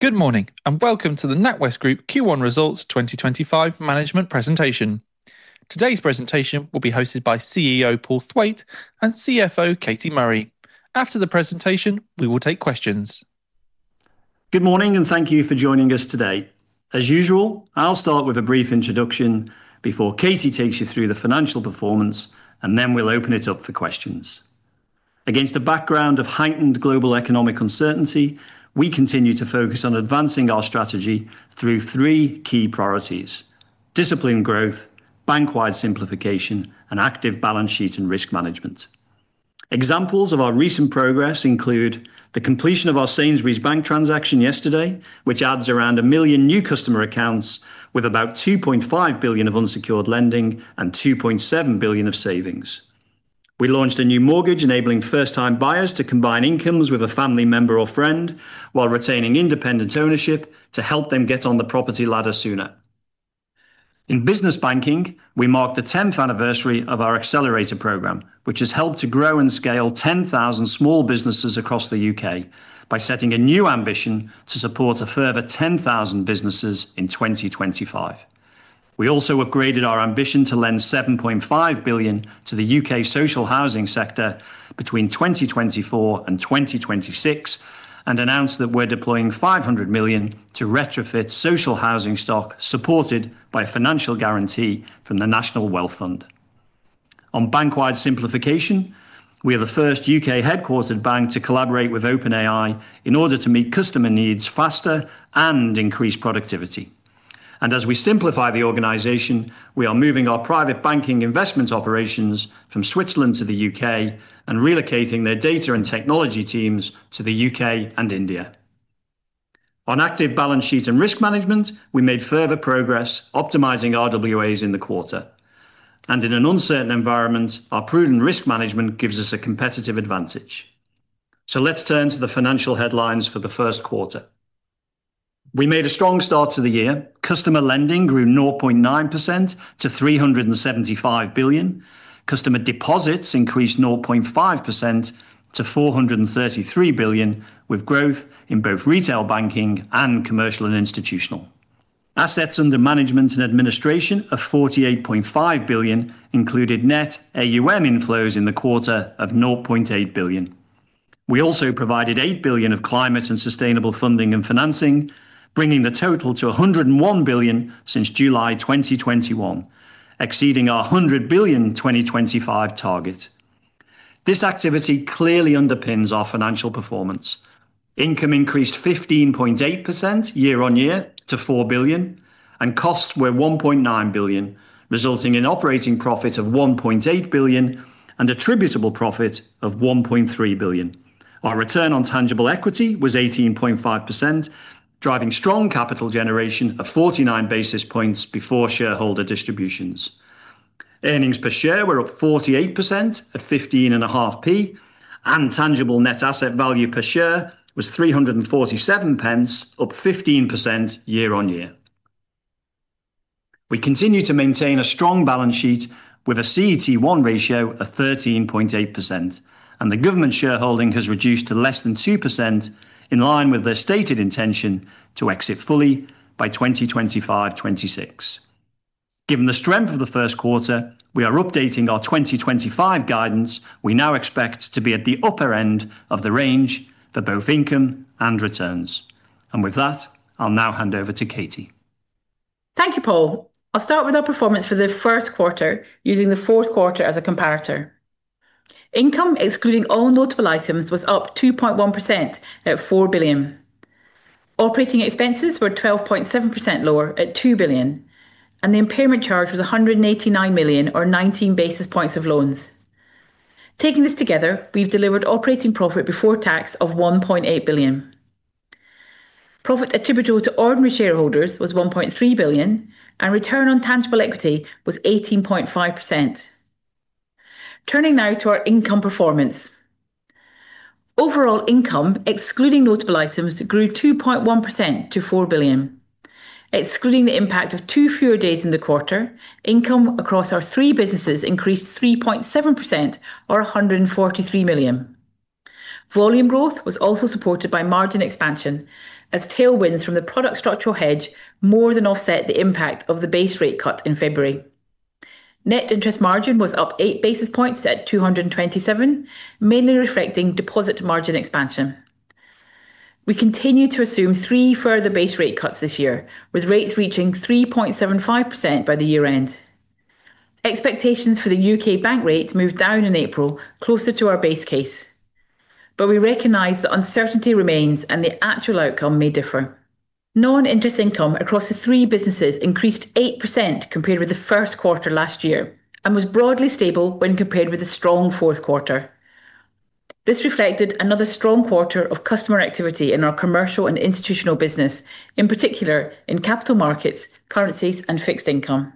Good morning and welcome to the NatWest Group Q1 Results 2025 management presentation. Today's presentation will be hosted by CEO Paul Thwaite and CFO Katie Murray. After the presentation, we will take questions. Good morning and thank you for joining us today. As usual, I'll start with a brief introduction before Katie takes you through the financial performance, and then we'll open it up for questions. Against a background of heightened global economic uncertainty, we continue to focus on advancing our strategy through three key priorities: disciplined growth, bank-wide simplification, and active balance sheet and risk management. Examples of our recent progress include the completion of our Sainsbury's Bank transaction yesterday, which adds around 1 million new customer accounts with about 2.5 billion of unsecured lending and 2.7 billion of savings. We launched a new mortgage enabling first-time buyers to combine incomes with a family member or friend while retaining independent ownership to help them get on the property ladder sooner. In business banking, we marked the 10th anniversary of our Accelerator Program, which has helped to grow and scale 10,000 small businesses across the U.K. by setting a new ambition to support a further 10,000 businesses in 2025. We also upgraded our ambition to lend 7.5 billion to the U.K. social housing sector between 2024 and 2026 and announced that we're deploying 500 million to retrofit social housing stock supported by a financial guarantee from the National Wealth Fund. On bank-wide simplification, we are the first U.K.-headquartered bank to collaborate with OpenAI in order to meet customer needs faster and increase productivity. As we simplify the organization, we are moving our private banking investment operations from Switzerland to the U.K. and relocating their data and technology teams to the U.K. and India. On active balance sheet and risk management, we made further progress optimizing RWAs in the quarter. In an uncertain environment, our prudent risk management gives us a competitive advantage. Let's turn to the financial headlines for the first quarter. We made a strong start to the year. Customer lending grew 0.9% to 375 billion. Customer deposits increased 0.5% to 433 billion, with growth in both retail banking and commercial and institutional. Assets under management and administration of 48.5 billion included net AUM inflows in the quarter of 0.8 billion. We also provided 8 billion of climate and sustainable funding and financing, bringing the total to 101 billion since July 2021, exceeding our 100 billion 2025 target. This activity clearly underpins our financial performance. Income increased 15.8% year-on-year to 4 billion, and costs were 1.9 billion, resulting in operating profit of 1.8 billion and attributable profit of 1.3 billion. Our return on tangible equity was 18.5%, driving strong capital generation of 49 basis points before shareholder distributions. Earnings per share were up 48% at 0.155, and tangible net asset value per share was 3.47, up 15% year-on-year. We continue to maintain a strong balance sheet with a CET1 ratio of 13.8%, and the government shareholding has reduced to less than 2% in line with their stated intention to exit fully by 2025-2026. Given the strength of the first quarter, we are updating our 2025 guidance. We now expect to be at the upper end of the range for both income and returns. With that, I'll now hand over to Katie. Thank you, Paul. I'll start with our performance for the first quarter using the fourth quarter as a comparator. Income, excluding all notable items, was up 2.1% at 4 billion. Operating expenses were 12.7% lower at 2 billion, and the impairment charge was 189 million, or 19 basis points of loans. Taking this together, we've delivered operating profit before tax of 1.8 billion. Profit attributable to ordinary shareholders was 1.3 billion, and return on tangible equity was 18.5%. Turning now to our income performance. Overall income, excluding notable items, grew 2.1% to 4 billion. Excluding the impact of two fewer days in the quarter, income across our three businesses increased 3.7%, or 143 million. Volume growth was also supported by margin expansion, as tailwinds from the product structural hedge more than offset the impact of the base rate cut in February. Net interest margin was up 8 basis points at 227, mainly reflecting deposit margin expansion. We continue to assume three further base rate cuts this year, with rates reaching 3.75% by the year-end. Expectations for the U.K. bank rate moved down in April, closer to our base case, but we recognize that uncertainty remains and the actual outcome may differ. Non-interest income across the three businesses increased 8% compared with the first quarter last year and was broadly stable when compared with the strong fourth quarter. This reflected another strong quarter of customer activity in our commercial and institutional business, in particular in capital markets, currencies, and fixed income.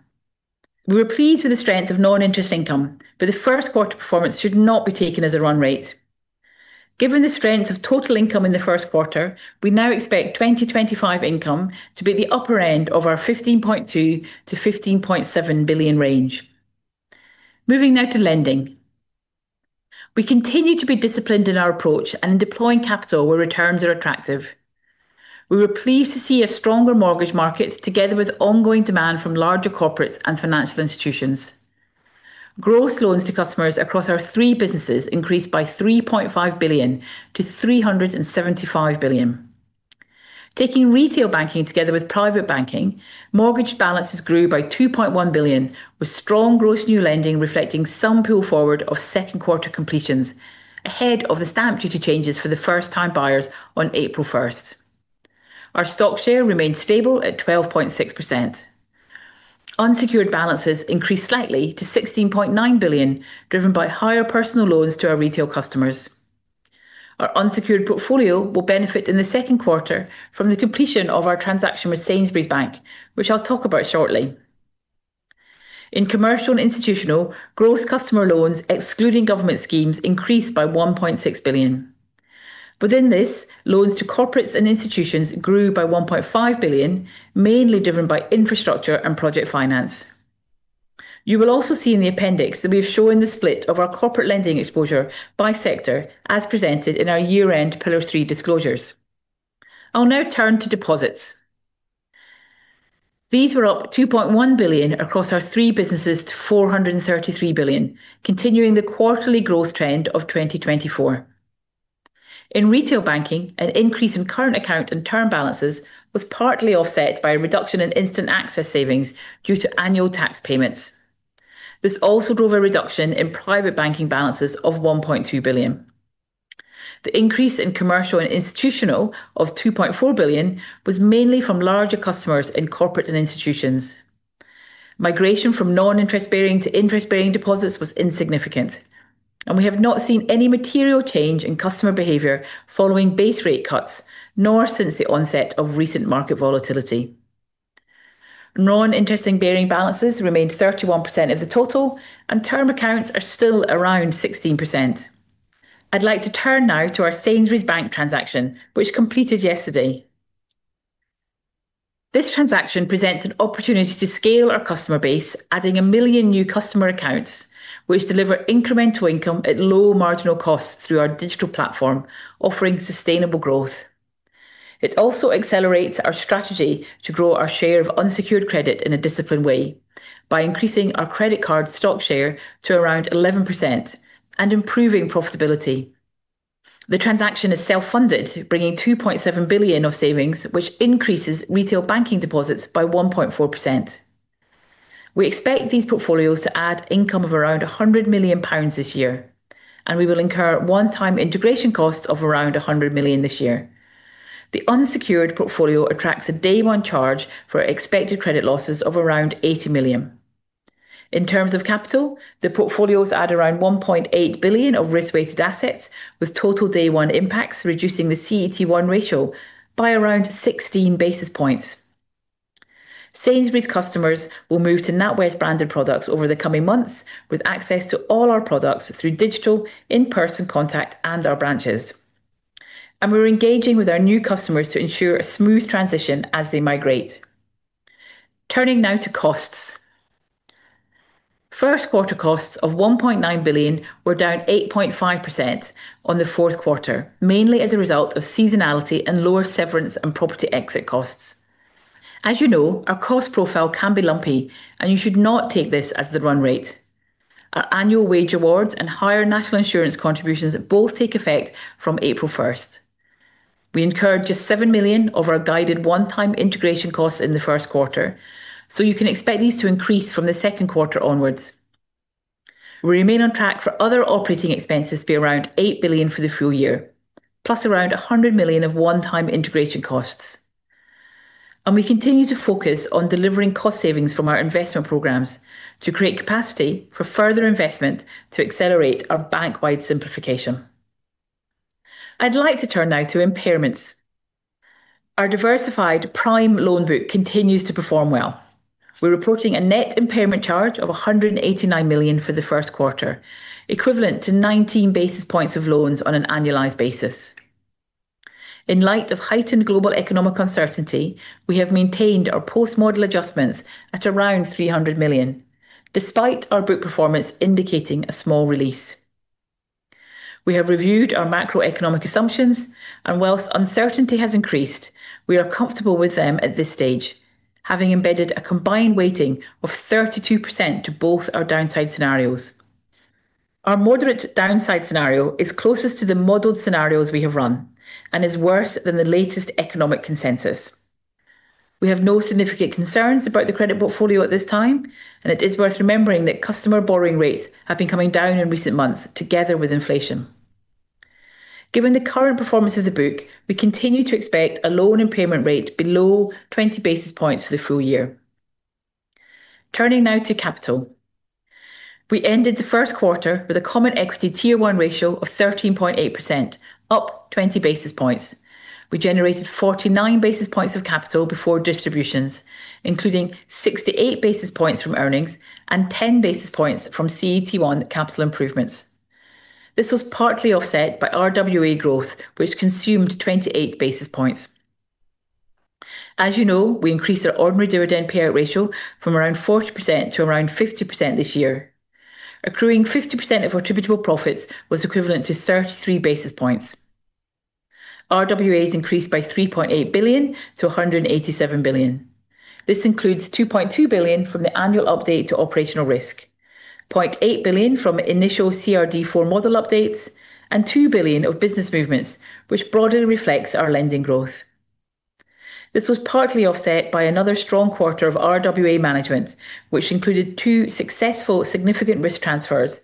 We were pleased with the strength of non-interest income, but the first quarter performance should not be taken as a run rate. Given the strength of total income in the first quarter, we now expect 2025 income to be at the upper end of our 15.2 billion-15.7 billion range. Moving now to lending. We continue to be disciplined in our approach and in deploying capital where returns are attractive. We were pleased to see a stronger mortgage market together with ongoing demand from larger corporates and financial institutions. Gross loans to customers across our three businesses increased by 3.5 billion to 375 billion. Taking retail banking together with private banking, mortgage balances grew by 2.1 billion, with strong gross new lending reflecting some pull forward of second quarter completions ahead of the stamp duty changes for the first-time buyers on April 1st. Our stock share remained stable at 12.6%. Unsecured balances increased slightly to 16.9 billion, driven by higher personal loans to our retail customers. Our unsecured portfolio will benefit in the second quarter from the completion of our transaction with Sainsbury's Bank, which I'll talk about shortly. In commercial and institutional, gross customer loans excluding government schemes increased by 1.6 billion. Within this, loans to corporates and institutions grew by 1.5 billion, mainly driven by infrastructure and project finance. You will also see in the appendix that we have shown the split of our corporate lending exposure by sector as presented in our year-end pillar three disclosures. I'll now turn to deposits. These were up 2.1 billion across our three businesses to 433 billion, continuing the quarterly growth trend of 2024. In retail banking, an increase in current account and term balances was partly offset by a reduction in instant access savings due to annual tax payments. This also drove a reduction in private banking balances of 1.2 billion. The increase in commercial and institutional of 2.4 billion was mainly from larger customers in Corporate and Institutions. Migration from non-interest-bearing to interest-bearing deposits was insignificant, and we have not seen any material change in customer behavior following base rate cuts, nor since the onset of recent market volatility. Non-interest-bearing balances remained 31% of the total, and term accounts are still around 16%. I'd like to turn now to our Sainsbury's Bank transaction, which completed yesterday. This transaction presents an opportunity to scale our customer base, adding 1 million new customer accounts, which deliver incremental income at low marginal costs through our digital platform, offering sustainable growth. It also accelerates our strategy to grow our share of unsecured credit in a disciplined way by increasing our credit card stock share to around 11% and improving profitability. The transaction is self-funded, bringing 2.7 billion of savings, which increases retail banking deposits by 1.4%. We expect these portfolios to add income of around 100 million pounds this year, and we will incur one-time integration costs of around 100 million this year. The unsecured portfolio attracts a day-one charge for expected credit losses of around 80 million. In terms of capital, the portfolios add around 1.8 billion of risk-weighted assets, with total day-one impacts reducing the CET1 ratio by around 16 basis points. Sainsbury's customers will move to NatWest branded products over the coming months, with access to all our products through digital, in-person contact, and our branches. We are engaging with our new customers to ensure a smooth transition as they migrate. Turning now to costs. First quarter costs of 1.9 billion were down 8.5% on the fourth quarter, mainly as a result of seasonality and lower severance and property exit costs. As you know, our cost profile can be lumpy, and you should not take this as the run rate. Our annual wage awards and higher national insurance contributions both take effect from April 1st. We incurred just 7 million of our guided one-time integration costs in the first quarter, so you can expect these to increase from the second quarter onwards. We remain on track for other operating expenses to be around 8 billion for the full year, plus around 100 million of one-time integration costs. We continue to focus on delivering cost savings from our investment programs to create capacity for further investment to accelerate our bank-wide simplification. I'd like to turn now to impairments. Our diversified prime loan book continues to perform well. We're reporting a net impairment charge of 189 million for the first quarter, equivalent to 19 basis points of loans on an annualized basis. In light of heightened global economic uncertainty, we have maintained our post-model adjustments at around 300 million, despite our book performance indicating a small release. We have reviewed our macroeconomic assumptions, and whilst uncertainty has increased, we are comfortable with them at this stage, having embedded a combined weighting of 32% to both our downside scenarios. Our moderate downside scenario is closest to the modeled scenarios we have run and is worse than the latest economic consensus. We have no significant concerns about the credit portfolio at this time, and it is worth remembering that customer borrowing rates have been coming down in recent months together with inflation. Given the current performance of the book, we continue to expect a loan impairment rate below 20 basis points for the full year. Turning now to capital. We ended the first quarter with a Common Equity Tier 1 ratio of 13.8%, up 20 basis points. We generated 49 basis points of capital before distributions, including 68 basis points from earnings and 10 basis points from CET1 capital improvements. This was partly offset by RWA growth, which consumed 28 basis points. As you know, we increased our ordinary dividend payout ratio from around 40% to around 50% this year. Accruing 50% of attributable profits was equivalent to 33 basis points. RWAs increased by 3.8 billion to 187 billion. This includes 2.2 billion from the annual update to operational risk, 0.8 billion from initial CRD4 model updates, and 2 billion of business movements, which broadly reflects our lending growth. This was partly offset by another strong quarter of RWA management, which included two successful significant risk transfers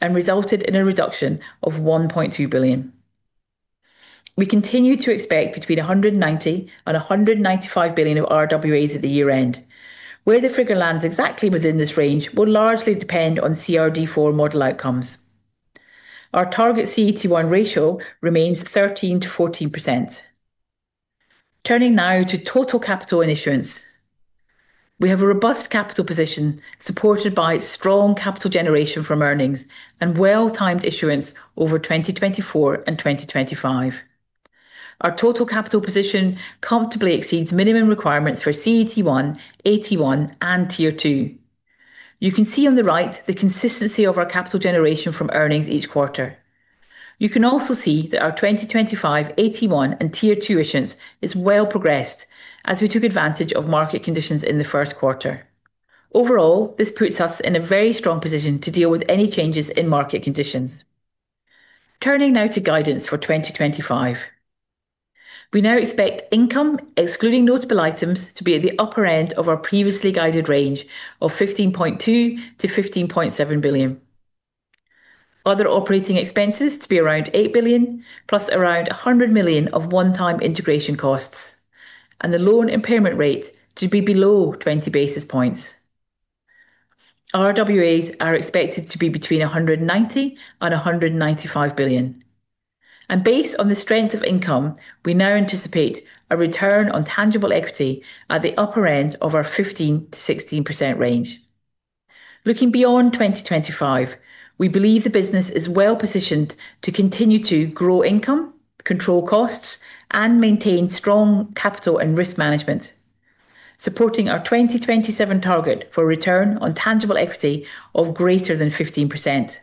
and resulted in a reduction of 1.2 billion. We continue to expect between 190 billion and 195 billion of RWAs at the year-end. Where the figure lands exactly within this range will largely depend on CRD4 model outcomes. Our target CET1 ratio remains 13%-14%. Turning now to total capital and issuance. We have a robust capital position supported by strong capital generation from earnings and well-timed issuance over 2024 and 2025. Our total capital position comfortably exceeds minimum requirements for CET1, AT1, and Tier 2. You can see on the right the consistency of our capital generation from earnings each quarter. You can also see that our 2025 AT1 and Tier 2 issuance is well progressed as we took advantage of market conditions in the first quarter. Overall, this puts us in a very strong position to deal with any changes in market conditions. Turning now to guidance for 2025. We now expect income, excluding notable items, to be at the upper end of our previously guided range of 15.2 billion-15.7 billion. Other operating expenses to be around 8 billion, plus around 100 million of one-time integration costs, and the loan impairment rate to be below 20 basis points. RWAs are expected to be between 190 billion and 195 billion. Based on the strength of income, we now anticipate a return on tangible equity at the upper end of our 15%-16% range. Looking beyond 2025, we believe the business is well positioned to continue to grow income, control costs, and maintain strong capital and risk management, supporting our 2027 target for return on tangible equity of greater than 15%.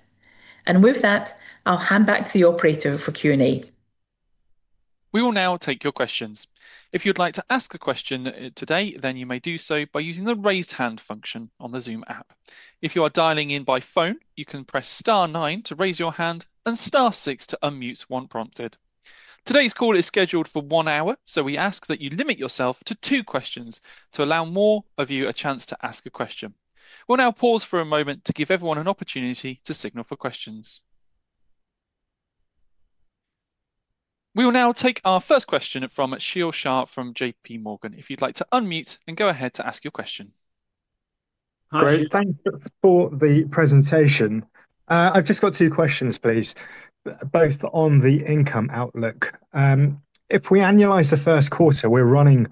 With that, I'll hand back to the operator for Q&A. We will now take your questions. If you'd like to ask a question today, you may do so by using the raised hand function on the Zoom app. If you are dialing in by phone, you can press star nine to raise your hand and star six to unmute when prompted. Today's call is scheduled for one hour, so we ask that you limit yourself to two questions to allow more of you a chance to ask a question. We'll now pause for a moment to give everyone an opportunity to signal for questions. We will now take our first question from Sheel Shah from JPMorgan. If you'd like to unmute and go ahead to ask your question. Hi, thank you for the presentation. I've just got two questions, please, both on the income outlook. If we annualize the first quarter, we're running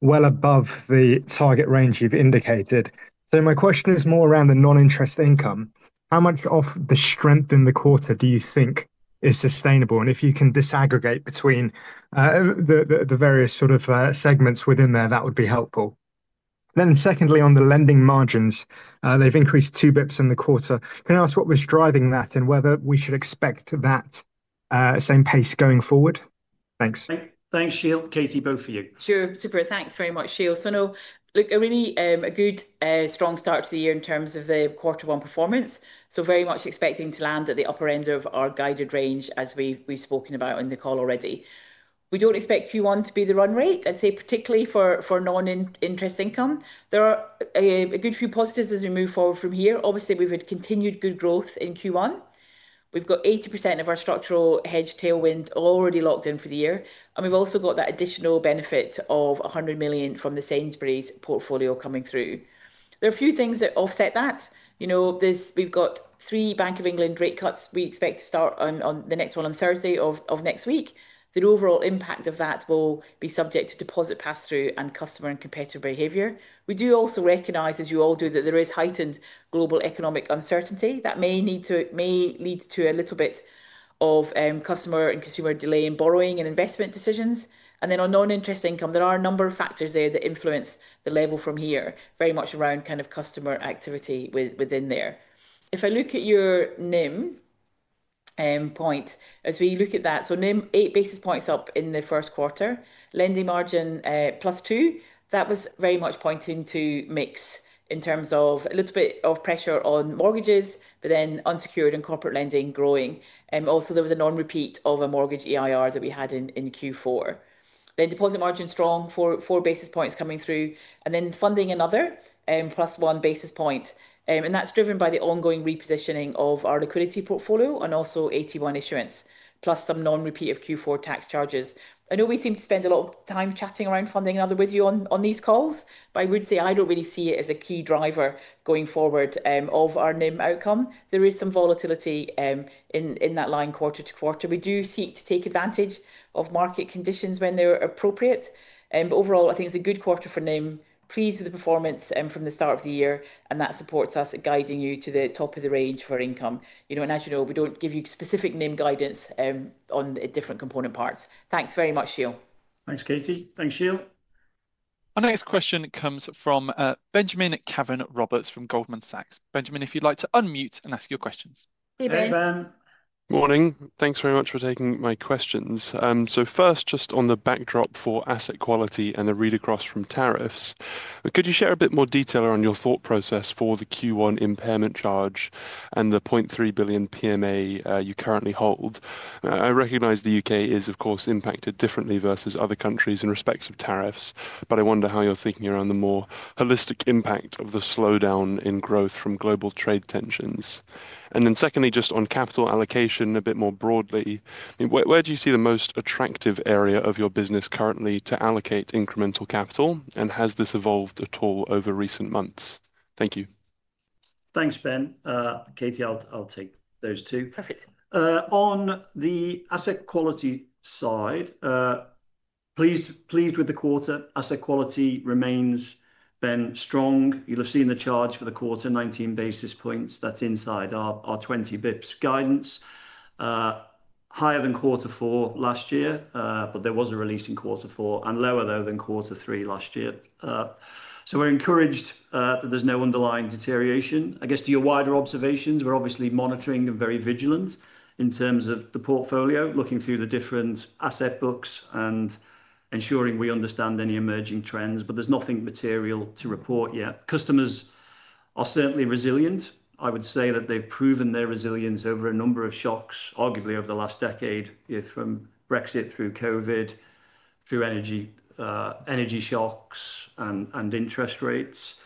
well above the target range you've indicated. My question is more around the non-interest income. How much of the strength in the quarter do you think is sustainable? If you can disaggregate between the various sort of segments within there, that would be helpful. Secondly, on the lending margins, they've increased two bps in the quarter. Can I ask what was driving that and whether we should expect that same pace going forward? Thanks. Thanks, Sheel. Katie, both for you. Sure. Super. Thanks very much, Sheel. I know it is really a good, strong start to the year in terms of the quarter one performance. Very much expecting to land at the upper end of our guided range, as we've spoken about in the call already. We don't expect Q1 to be the run rate, I'd say, particularly for non-interest income. There are a good few positives as we move forward from here. Obviously, we've had continued good growth in Q1. We've got 80% of our structural hedge tailwind already locked in for the year. We have also got that additional benefit of 100 million from the Sainsbury's portfolio coming through. There are a few things that offset that. You know, we've got three Bank of England rate cuts. We expect to start on the next one on Thursday of next week. The overall impact of that will be subject to deposit pass-through and customer and competitor behavior. We do also recognize, as you all do, that there is heightened global economic uncertainty that may lead to a little bit of customer and consumer delay in borrowing and investment decisions. On non-interest income, there are a number of factors there that influence the level from here, very much around kind of customer activity within there. If I look at your NIM point, as we look at that, NIM eight basis points up in the first quarter, lending margin plus two. That was very much pointing to mix in terms of a little bit of pressure on mortgages, but then unsecured and corporate lending growing. Also, there was a non-repeat of a mortgage EIR that we had in Q4. Deposit margin strong for four basis points coming through, and funding another plus one basis point. That is driven by the ongoing repositioning of our liquidity portfolio and also AT1 issuance, plus some non-repeat of Q4 tax charges. I know we seem to spend a lot of time chatting around funding another with you on these calls, but I would say I don't really see it as a key driver going forward of our NIM outcome. There is some volatility in that line quarter to quarter. We do seek to take advantage of market conditions when they're appropriate. Overall, I think it's a good quarter for NIM, pleased with the performance from the start of the year, and that supports us at guiding you to the top of the range for income. As you know, we don't give you specific NIM guidance on different component parts. Thanks very much, Sheel. Thanks, Katie. Thanks, Sheel. Our next question comes from Benjamin Caven-Roberts from Goldman Sachs. Benjamin, if you'd like to unmute and ask your questions. Hey, Ben. Hey, Ben. Morning. Thanks very much for taking my questions. First, just on the backdrop for asset quality and the read across from tariffs, could you share a bit more detail around your thought process for the Q1 impairment charge and the 0.3 billion PMA you currently hold? I recognize the U.K. is, of course, impacted differently versus other countries in respect of tariffs, but I wonder how you're thinking around the more holistic impact of the slowdown in growth from global trade tensions. Secondly, just on capital allocation a bit more broadly, where do you see the most attractive area of your business currently to allocate incremental capital, and has this evolved at all over recent months? Thank you. Thanks, Ben. Katie, I'll take those two. Perfect. On the asset quality side, pleased with the quarter, asset quality remains, Ben, strong. You'll have seen the charge for the quarter, 19 basis points. That's inside our 20 bps guidance, higher than quarter four last year, but there was a release in quarter four and lower, though, than quarter three last year. We are encouraged that there's no underlying deterioration. I guess to your wider observations, we are obviously monitoring and very vigilant in terms of the portfolio, looking through the different asset books and ensuring we understand any emerging trends, but there's nothing material to report yet. Customers are certainly resilient. I would say that they've proven their resilience over a number of shocks, arguably over the last decade, from Brexit through COVID, through energy shocks and interest rates.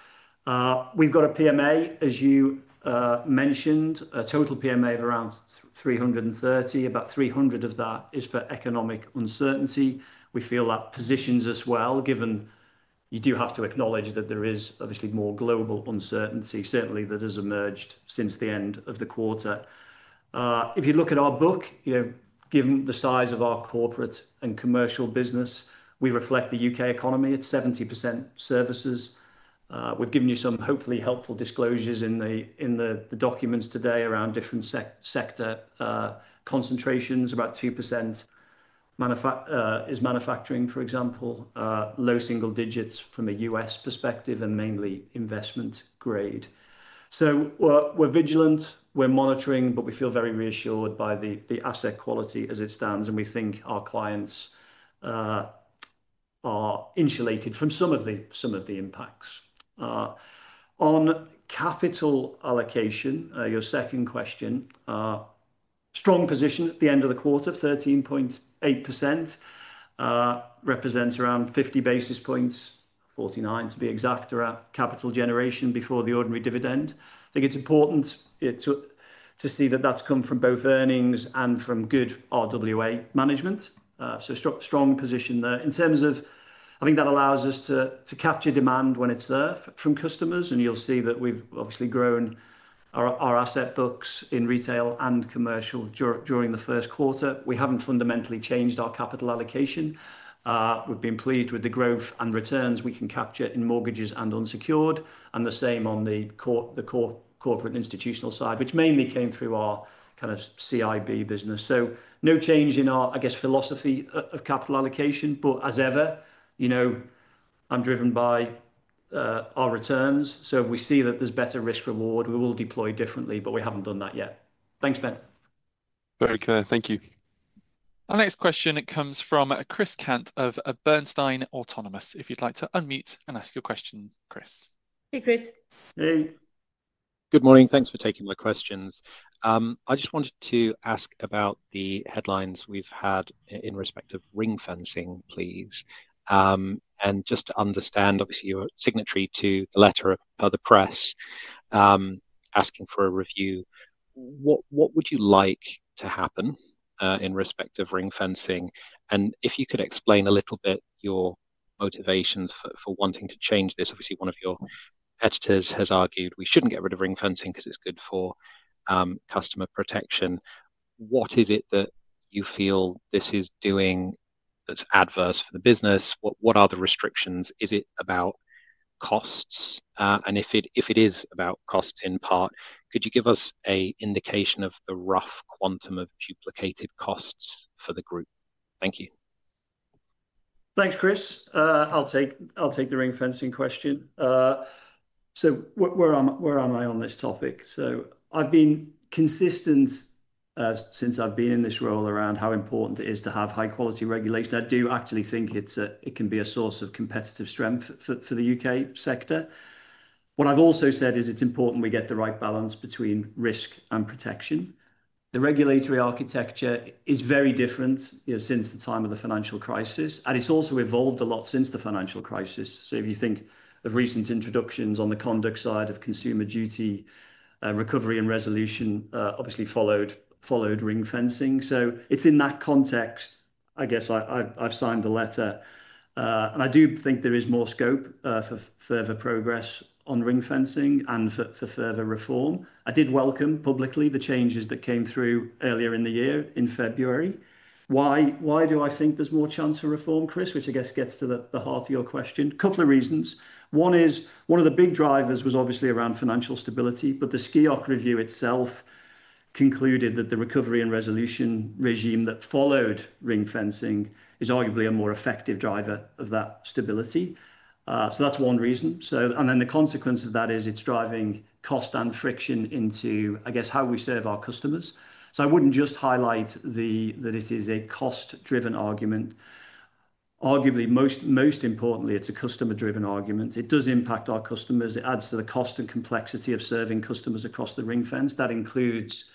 We've got a PMA, as you mentioned, a total PMA of around 330. About 300 of that is for economic uncertainty. We feel that positions us well, given you do have to acknowledge that there is obviously more global uncertainty, certainly that has emerged since the end of the quarter. If you look at our book, given the size of our corporate and commercial business, we reflect the U.K. economy at 70% services. We've given you some hopefully helpful disclosures in the documents today around different sector concentrations, about 2% is manufacturing, for example, low single digits from a U.S. perspective and mainly investment grade. We are vigilant, we are monitoring, but we feel very reassured by the asset quality as it stands, and we think our clients are insulated from some of the impacts. On capital allocation, your second question, strong position at the end of the quarter of 13.8% represents around 50 basis points, 49 to be exact, around capital generation before the ordinary dividend. I think it's important to see that that's come from both earnings and from good RWA management. Strong position there. In terms of, I think that allows us to capture demand when it's there from customers, and you'll see that we've obviously grown our asset books in retail and commercial during the first quarter. We haven't fundamentally changed our capital allocation. We've been pleased with the growth and returns we can capture in mortgages and unsecured, and the same on the corporate and institutional side, which mainly came through our kind of CIB business. No change in our, I guess, philosophy of capital allocation, but as ever, you know, I'm driven by our returns. If we see that there's better risk-reward, we will deploy differently, but we haven't done that yet. Thanks, Ben. Very clear. Thank you. Our next question, it comes from Chris Cant of Bernstein Autonomous. If you'd like to unmute and ask your question, Chris. Hey, Chris. Hey. Good morning. Thanks for taking my questions. I just wanted to ask about the headlines we've had in respect of ring-fencing, please. Just to understand, obviously, you're signatory to the letter of the press asking for a review, what would you like to happen in respect of ring-fencing? If you could explain a little bit your motivations for wanting to change this. Obviously, one of your editors has argued we shouldn't get rid of ring-fencing because it's good for customer protection. What is it that you feel this is doing that's adverse for the business? What are the restrictions? Is it about costs? If it is about costs in part, could you give us an indication of the rough quantum of duplicated costs for the group? Thank you. Thanks, Chris. I'll take the ring-fencing question. Where am I on this topic? I've been consistent since I've been in this role around how important it is to have high-quality regulation. I do actually think it can be a source of competitive strength for the U.K. sector. What I've also said is it's important we get the right balance between risk and protection. The regulatory architecture is very different since the time of the financial crisis, and it's also evolved a lot since the financial crisis. If you think of recent introductions on the conduct side of consumer duty recovery and resolution, obviously followed ring-fencing. It's in that context, I guess I've signed the letter. I do think there is more scope for further progress on ring-fencing and for further reform. I did welcome publicly the changes that came through earlier in the year in February. Why do I think there is more chance of reform, Chris, which I guess gets to the heart of your question? A couple of reasons. One is one of the big drivers was obviously around financial stability, but the Skeoch review itself concluded that the recovery and resolution regime that followed ring-fencing is arguably a more effective driver of that stability. That is one reason. The consequence of that is it is driving cost and friction into, I guess, how we serve our customers. I would not just highlight that it is a cost-driven argument. Arguably, most importantly, it is a customer-driven argument. It does impact our customers. It adds to the cost and complexity of serving customers across the ring fence. That includes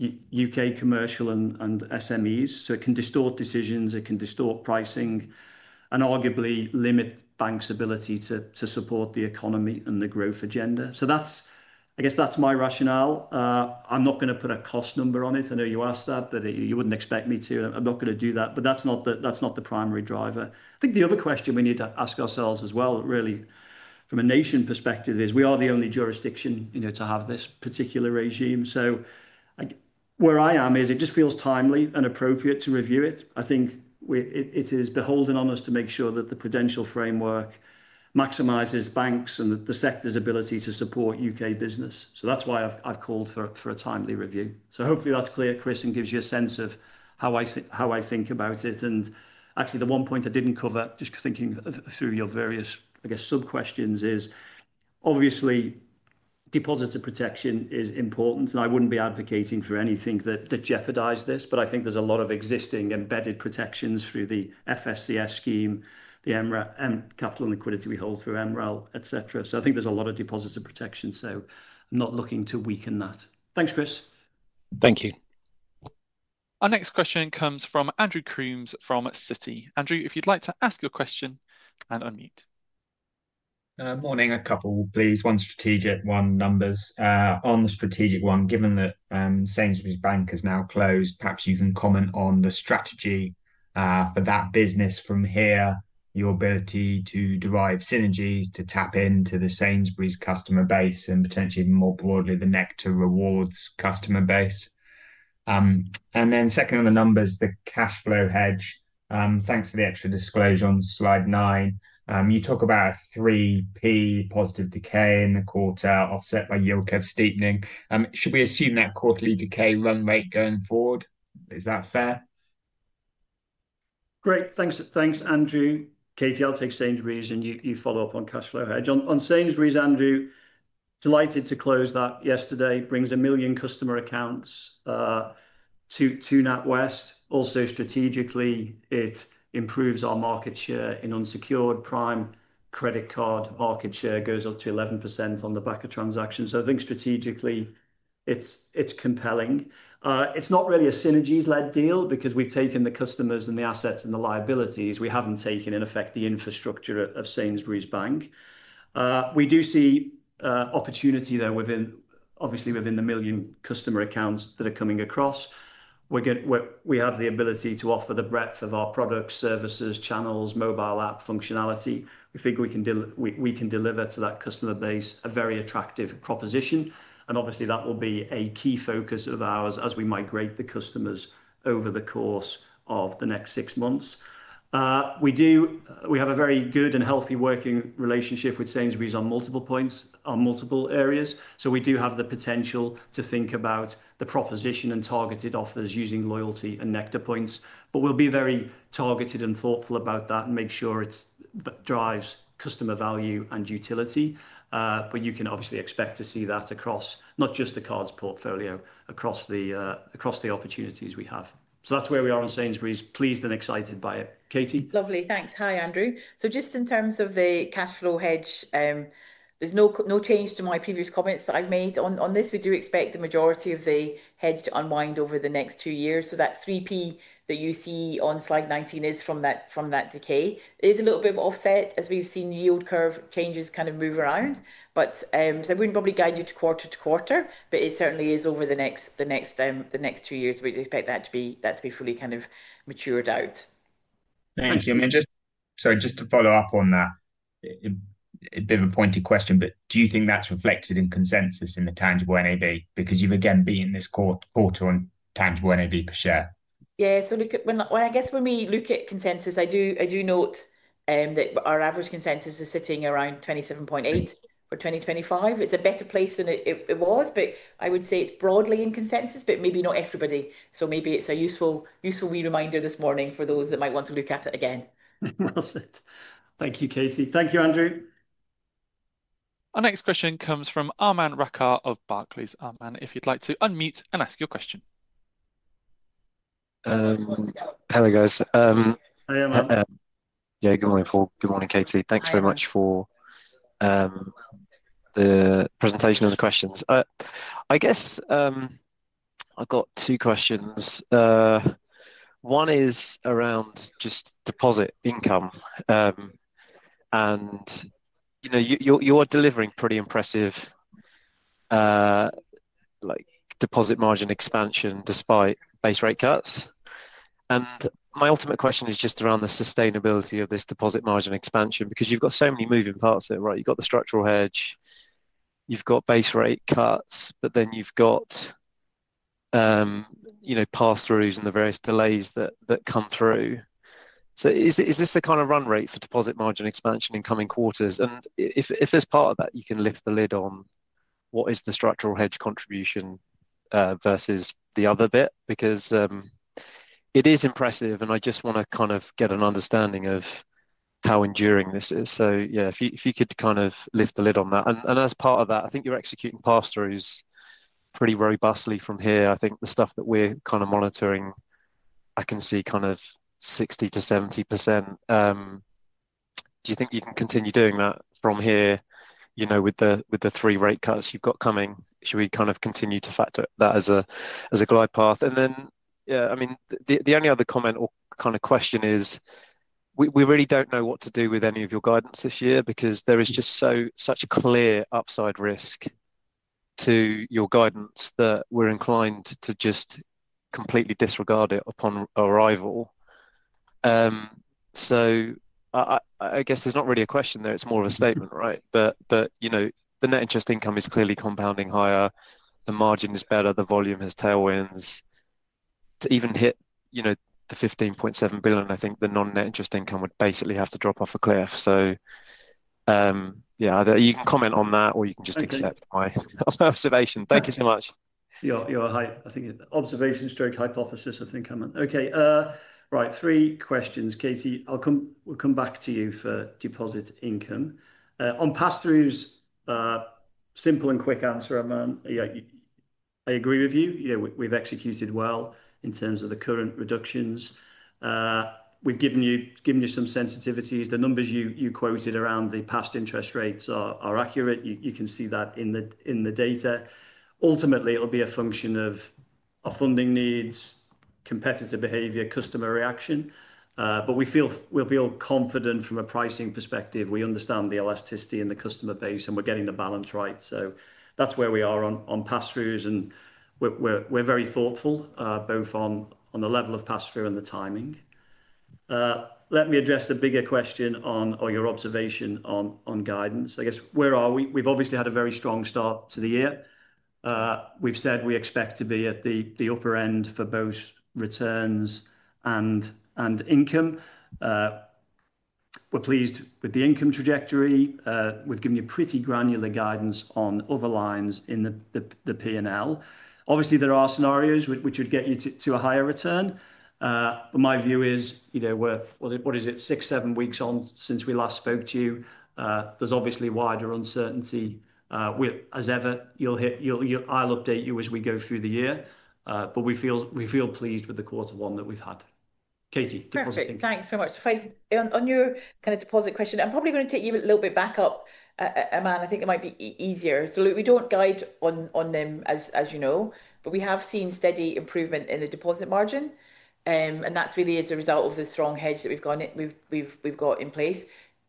U.K. commercial and SMEs. It can distort decisions. It can distort pricing and arguably limit banks' ability to support the economy and the growth agenda. I guess that's my rationale. I'm not going to put a cost number on it. I know you asked that, but you wouldn't expect me to. I'm not going to do that. That's not the primary driver. I think the other question we need to ask ourselves as well, really, from a nation perspective, is we are the only jurisdiction to have this particular regime. Where I am is it just feels timely and appropriate to review it. I think it is beholden on us to make sure that the prudential framework maximizes banks and the sector's ability to support U.K. business. That is why I have called for a timely review. Hopefully that is clear, Chris, and gives you a sense of how I think about it. Actually, the one point I did not cover, just thinking through your various, I guess, sub-questions, is obviously depositor protection is important. I would not be advocating for anything that jeopardized this, but I think there are a lot of existing embedded protections through the FSCS scheme, the capital and liquidity we hold through MREL, etc. I think there is a lot of depositor protection. I am not looking to weaken that. Thanks, Chris. Thank you. Our next question comes from Andrew Coombs from Citi. Andrew, if you would like to ask your question and unmute. Morning. A couple, please. One strategic, one numbers. On the strategic one, given that Sainsbury's Bank has now closed, perhaps you can comment on the strategy for that business from here, your ability to derive synergies to tap into the Sainsbury's customer base and potentially more broadly the Nectar rewards customer base. Second, on the numbers, the cash flow hedge. Thanks for the extra disclosure on slide nine. You talk about a 0.03 positive decay in the quarter offset by yield curve steepening. Should we assume that quarterly decay run rate going forward? Is that fair? Great. Thanks, Andrew. Katie, I'll take Sainsbury's and you follow up on cash flow hedge. On Sainsbury's, Andrew, delighted to close that yesterday, brings one million customer accounts to NatWest. Also, strategically, it improves our market share in unsecured prime credit card market share goes up to 11% on the back of transactions. I think strategically, it's compelling. It's not really a synergies-led deal because we've taken the customers and the assets and the liabilities. We haven't taken, in effect, the infrastructure of Sainsbury's Bank. We do see opportunity there within, obviously, within the million customer accounts that are coming across. We have the ability to offer the breadth of our products, services, channels, mobile app functionality. We think we can deliver to that customer base a very attractive proposition. That will be a key focus of ours as we migrate the customers over the course of the next six months. We have a very good and healthy working relationship with Sainsbury's on multiple points, on multiple areas. We do have the potential to think about the proposition and targeted offers using loyalty and Nectar points. We'll be very targeted and thoughtful about that and make sure it drives customer value and utility. You can obviously expect to see that across not just the cards portfolio, across the opportunities we have. That is where we are on Sainsbury's. Pleased and excited by it. Katie. Lovely. Thanks. Hi, Andrew. In terms of the cash flow hedge, there is no change to my previous comments that I have made on this. We do expect the majority of the hedge to unwind over the next two years. That 0.03 that you see on slide 19 is from that decay. There is a little bit of offset as we have seen yield curve changes kind of move around. I would not probably guide you to quarter to quarter, but it certainly is over the next two years. We expect that to be fully kind of matured out. Thank you. Sorry, just to follow up on that, a bit of a pointy question, but do you think that's reflected in consensus in the tangible NAV? Because you've again been in this quarter on tangible NAV per share. Yeah. I guess when we look at consensus, I do note that our average consensus is sitting around 27.8 for 2025. It's a better place than it was, but I would say it's broadly in consensus, but maybe not everybody. Maybe it's a useful reminder this morning for those that might want to look at it again. Thank you, Katie. Thank you, Andrew. Our next question comes from Aman Rakkar of Barclays. Aman, if you'd like to unmute and ask your question. Hello, guys. Hi, Aman. Yeah, good morning, Paul. Good morning, Katie. Thanks very much for the presentation of the questions. I guess I've got two questions. One is around just deposit income. You are delivering pretty impressive deposit margin expansion despite base rate cuts. My ultimate question is just around the sustainability of this deposit margin expansion because you have so many moving parts there, right? You have the structural hedge, you have base rate cuts, but then you have pass-throughs and the various delays that come through. Is this the kind of run rate for deposit margin expansion in coming quarters? If there is part of that, you can lift the lid on what is the structural hedge contribution versus the other bit because it is impressive, and I just want to get an understanding of how enduring this is. If you could kind of lift the lid on that. As part of that, I think you are executing pass-throughs pretty robustly from here. I think the stuff that we're kind of monitoring, I can see kind of 60%-70%. Do you think you can continue doing that from here with the three rate cuts you've got coming? Should we kind of continue to factor that as a glide path? Yeah, I mean, the only other comment or kind of question is we really don't know what to do with any of your guidance this year because there is just such a clear upside risk to your guidance that we're inclined to just completely disregard it upon arrival. I guess there's not really a question there. It's more of a statement, right? The net interest income is clearly compounding higher. The margin is better. The volume has tailwinds. To even hit the 15.7 billion, I think the non-net interest income would basically have to drop off a cliff. Yeah, you can comment on that or you can just accept my observation. Thank you so much. You're a hype. I think observation/hypothesis of income. Okay. Right. Three questions, Katie. I'll come back to you for deposit income. On pass-throughs, simple and quick answer, I agree with you. We've executed well in terms of the current reductions. We've given you some sensitivities. The numbers you quoted around the past interest rates are accurate. You can see that in the data. Ultimately, it'll be a function of funding needs, competitor behavior, customer reaction. We feel confident from a pricing perspective. We understand the elasticity and the customer base, and we're getting the balance right. That's where we are on pass-throughs. We're very thoughtful, both on the level of pass-through and the timing. Let me address the bigger question on your observation on guidance. I guess where are we? We've obviously had a very strong start to the year. We've said we expect to be at the upper end for both returns and income. We're pleased with the income trajectory. We've given you pretty granular guidance on other lines in the P&L. Obviously, there are scenarios which would get you to a higher return. My view is, what is it, six, seven weeks on since we last spoke to you? There's obviously wider uncertainty. As ever, I'll update you as we go through the year. We feel pleased with the quarter one that we've had. Katie, deposit income. Thanks so much. On your kind of deposit question, I'm probably going to take you a little bit back up, Aman. I think it might be easier. We do not guide on them, as you know, but we have seen steady improvement in the deposit margin. That is really as a result of the strong hedge that we have got in place.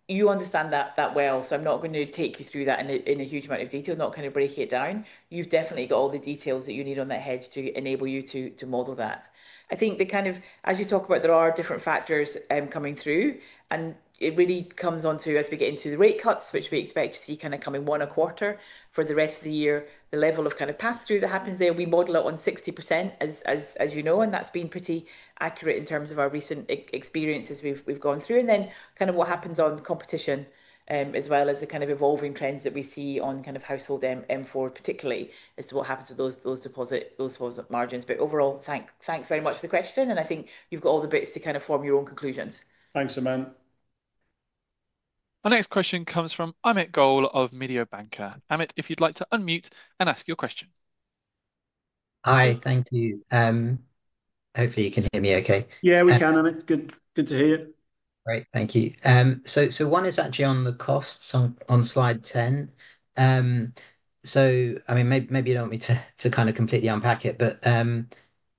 You understand that well. I am not going to take you through that in a huge amount of detail, not kind of break it down. You have definitely got all the details that you need on that hedge to enable you to model that. I think the kind of, as you talk about, there are different factors coming through. It really comes on to, as we get into the rate cuts, which we expect to see kind of coming one a quarter for the rest of the year, the level of kind of pass-through that happens there. We model it on 60%, as you know, and that's been pretty accurate in terms of our recent experiences we've gone through. What happens on competition, as well as the evolving trends that we see on household M4, particularly, is what happens with those deposit margins. Overall, thanks very much for the question. I think you've got all the bits to form your own conclusions. Thanks, Aman. Our next question comes from Amit Goel of Mediobanca. Amit, if you'd like to unmute and ask your question. Hi, thank you. Hopefully, you can hear me okay. Yeah, we can, Amit. Good to hear you. Great. Thank you. One is actually on the costs on slide 10. I mean, maybe you do not want me to kind of completely unpack it, but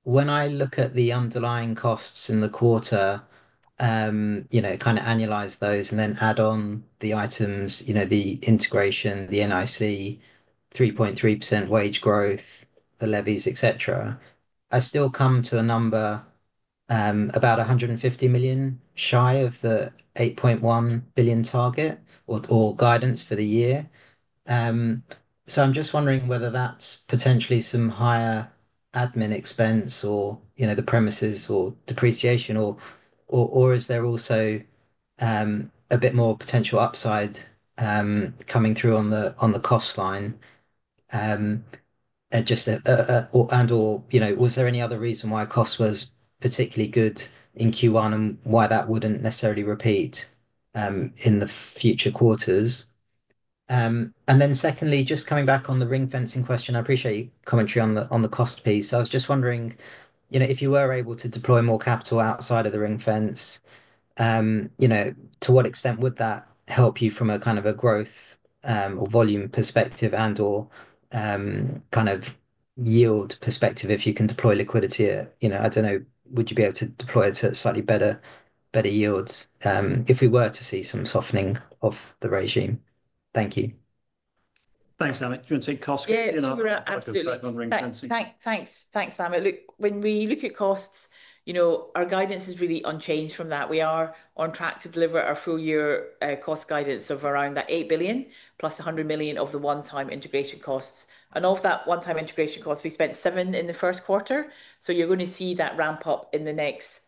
when I look at the underlying costs in the quarter, kind of analyze those and then add on the items, the integration, the NIC, 3.3% wage growth, the levies, etc., I still come to a number about 150 million shy of the 8.1 billion target or guidance for the year. I am just wondering whether that is potentially some higher admin expense or the premises or depreciation, or is there also a bit more potential upside coming through on the cost line? Or was there any other reason why cost was particularly good in Q1 and why that would not necessarily repeat in the future quarters? Secondly, just coming back on the ring-fencing question, I appreciate your commentary on the cost piece. I was just wondering, if you were able to deploy more capital outside of the ring fence, to what extent would that help you from a kind of a growth or volume perspective and/or kind of yield perspective if you can deploy liquidity? I don't know, would you be able to deploy it to slightly better yields if we were to see some softening of the regime? Thank you. Thanks, Amit. Do you want to take cost? Yeah, absolutely. Thanks, Amit. Look, when we look at costs, our guidance is really unchanged from that. We are on track to deliver our full-year cost guidance of around 8 billion plus 100 million of the one-time integration costs. And of that one-time integration cost, we spent 7 million in the first quarter. You are going to see that ramp up in the next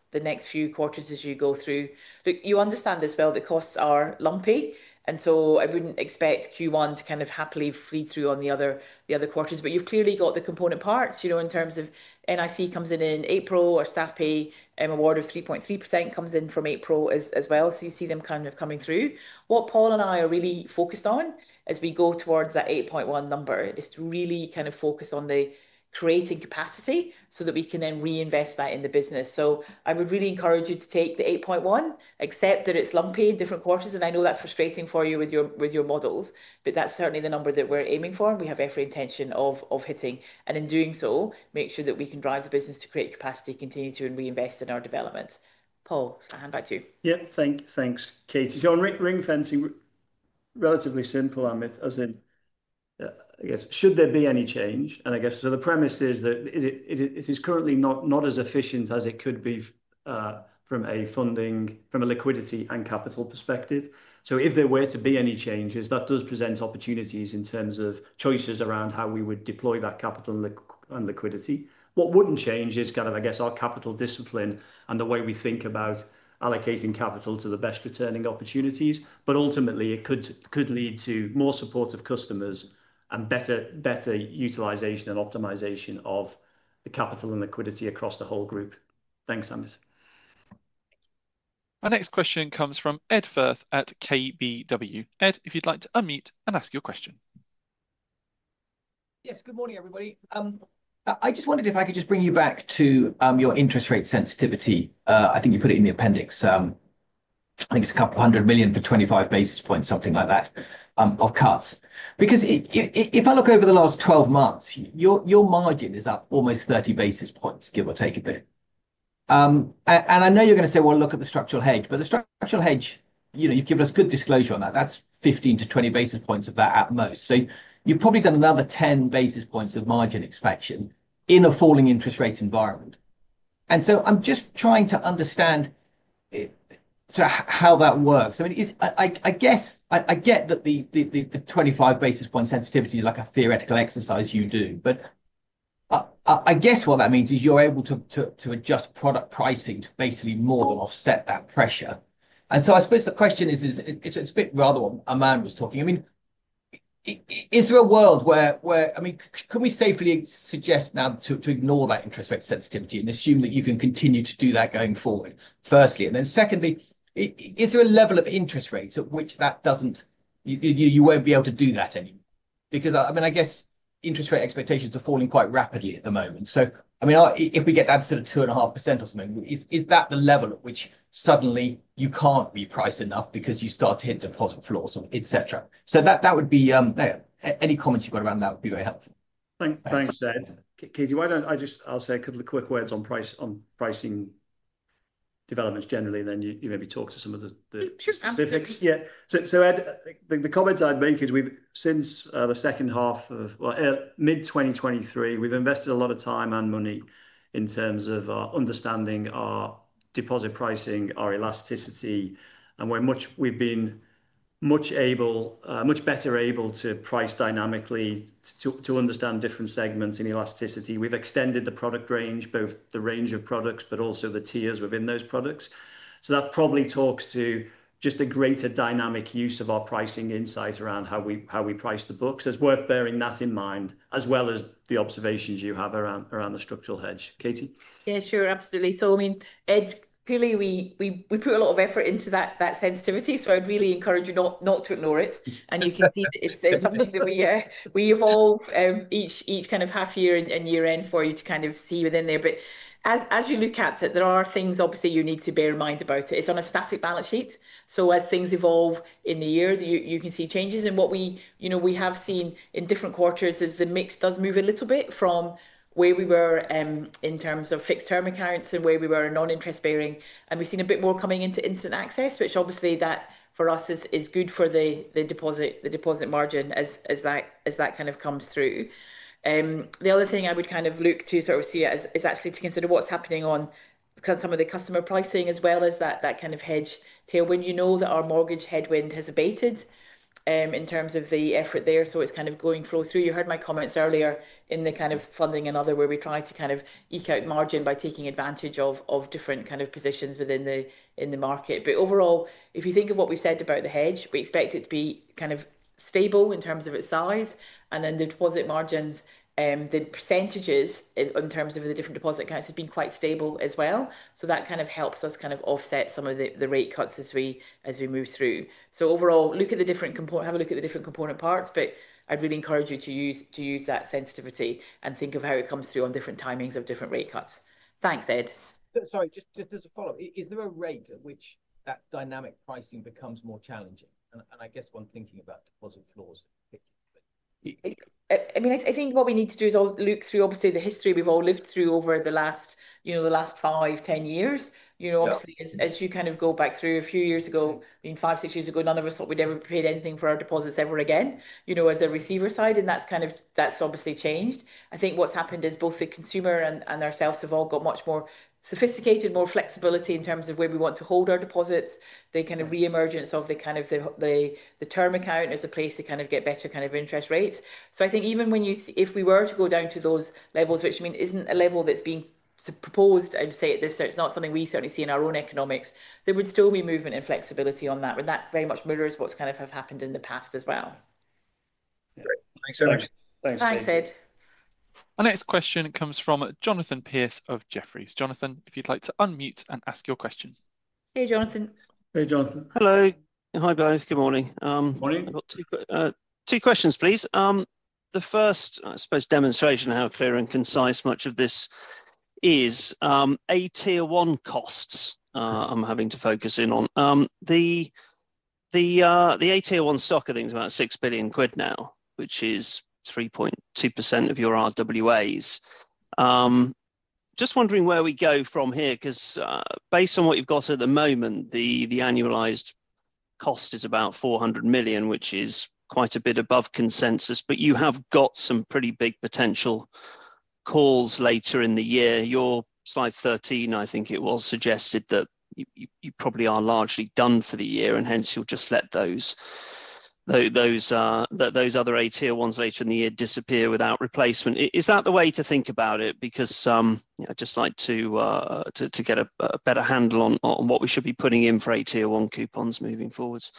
few quarters as you go through. Look, you understand this well, the costs are lumpy. I would not expect Q1 to kind of happily flee through on the other quarters. You have clearly got the component parts in terms of NIC comes in in April or staff pay award of 3.3% comes in from April as well. You see them kind of coming through. What Paul and I are really focused on as we go towards that 8.1 number is to really kind of focus on the creating capacity so that we can then reinvest that in the business. I would really encourage you to take the 8.1, accept that it is lumpy in different quarters. I know that is frustrating for you with your models, but that is certainly the number that we are aiming for. We have every intention of hitting. In doing so, make sure that we can drive the business to create capacity, continue to reinvest in our development. Paul, hand back to you. Yep, thanks. Katie, on ring fencing, relatively simple, Amit, as in, I guess, should there be any change? I guess the premise is that it is currently not as efficient as it could be from a funding, from a liquidity and capital perspective. If there were to be any changes, that does present opportunities in terms of choices around how we would deploy that capital and liquidity. What would not change is kind of, I guess, our capital discipline and the way we think about allocating capital to the best returning opportunities. Ultimately, it could lead to more support of customers and better utilization and optimization of the capital and liquidity across the whole group. Thanks, Amit. Our next question comes from Ed Firth at KBW. Ed, if you'd like to unmute and ask your question. Yes, good morning, everybody. I just wondered if I could just bring you back to your interest rate sensitivity. I think you put it in the appendix. I think it's a couple of hundred million for 25 basis points, something like that, of cuts. Because if I look over the last 12 months, your margin is up almost 30 basis points, give or take a bit. I know you're going to say, you know, look at the structural hedge, but the structural hedge, you've given us good disclosure on that. That's 15-20 basis points of that at most. You've probably done another 10 basis points of margin expansion in a falling interest rate environment. I am just trying to understand how that works. I mean, I guess I get that the 25 basis point sensitivity is like a theoretical exercise you do. I guess what that means is you're able to adjust product pricing to basically more than offset that pressure. I suppose the question is, it's a bit rather what Aman was talking. I mean, is there a world where, I mean, can we safely suggest now to ignore that interest rate sensitivity and assume that you can continue to do that going forward, firstly? Secondly, is there a level of interest rates at which that doesn't you won't be able to do that anymore? I mean, I guess interest rate expectations are falling quite rapidly at the moment. I mean, if we get down to sort of 2.5% or something, is that the level at which suddenly you can't reprice enough because you start to hit deposit floors, etc.? That would be any comments you've got around that would be very helpful. Thanks, Ed. Katie, why don't I just, I'll say a couple of quick words on pricing developments generally, and then you maybe talk to some of the specifics. Yeah. Ed, the comments I'd make is since the second half of mid-2023, we've invested a lot of time and money in terms of understanding our deposit pricing, our elasticity, and we've been much better able to price dynamically to understand different segments in elasticity. We've extended the product range, both the range of products, but also the tiers within those products. That probably talks to just a greater dynamic use of our pricing insights around how we price the books. It's worth bearing that in mind, as well as the observations you have around the structural hedge. Katie? Yeah, sure, absolutely. I mean, Ed, clearly, we put a lot of effort into that sensitivity. I'd really encourage you not to ignore it. You can see that it's something that we evolve each kind of half-year and year-end for you to see within there. As you look at it, there are things, obviously, you need to bear in mind about it. It's on a static balance sheet. As things evolve in the year, you can see changes. What we have seen in different quarters is the mix does move a little bit from where we were in terms of fixed term accounts and where we were non-interest bearing. We have seen a bit more coming into instant access, which obviously that for us is good for the deposit margin as that kind of comes through. The other thing I would kind of look to sort of see is actually to consider what is happening on some of the customer pricing, as well as that kind of hedge tailwind. You know that our mortgage headwind has abated in terms of the effort there. It is kind of going flow through. You heard my comments earlier in the kind of funding and other where we try to kind of eke out margin by taking advantage of different kind of positions within the market. Overall, if you think of what we've said about the hedge, we expect it to be kind of stable in terms of its size. The deposit margins, the percentages in terms of the different deposit accounts have been quite stable as well. That kind of helps us offset some of the rate cuts as we move through. Overall, look at the different components, have a look at the different component parts, but I'd really encourage you to use that sensitivity and think of how it comes through on different timings of different rate cuts. Thanks, Ed. Sorry, just as a follow-up, is there a rate at which that dynamic pricing becomes more challenging? I guess when thinking about deposit floors, particularly. I mean, I think what we need to do is look through, obviously, the history we've all lived through over the last five, ten years. Obviously, as you kind of go back through a few years ago, being five, six years ago, none of us thought we'd ever paid anything for our deposits ever again as a receiver side. That's obviously changed. I think what's happened is both the consumer and ourselves have all got much more sophisticated, more flexibility in terms of where we want to hold our deposits, the kind of reemergence of the kind of the term account as a place to kind of get better kind of interest rates. I think even when you, if we were to go down to those levels, which I mean isn't a level that's being proposed, I would say this, it's not something we certainly see in our own economics, there would still be movement and flexibility on that. That very much mirrors what's kind of happened in the past as well. Thanks so much. Thanks, Ed. Our next question comes from Jonathan Pierce of Jefferies. Jonathan, if you'd like to unmute and ask your question. Hey, Jonathan. Hey, Jonathan. Hello. Hi, guys. Good morning. Good morning. I've got two questions, please. The first, I suppose, demonstration of how clear and concise much of this is, AT1 costs I'm having to focus in on. The AT1 stock, I think, is about 6 billion quid now, which is 3.2% of your RWAs. Just wondering where we go from here, because based on what you've got at the moment, the annualized cost is about 400 million, which is quite a bit above consensus. You have got some pretty big potential calls later in the year. Your slide 13, I think it was, suggested that you probably are largely done for the year, and hence you'll just let those other AT1s later in the year disappear without replacement. Is that the way to think about it? I'd just like to get a better handle on what we should be putting in for AT1 coupons moving forwards.